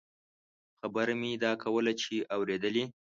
خبره مې دا کوله چې اورېدلې.